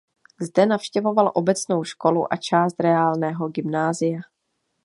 Zde navštěvoval obecnou školu a část reálného gymnázia.